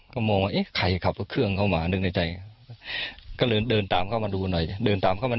ก็มองว่าเอ๊ะใครขับรถเครื่องเข้ามานึกในใจก็เลยเดินตามเข้ามาดูหน่อยเดินตามเข้ามา